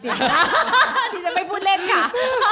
ตอนนี้ฉันไปพูดเล่นรึเปล่า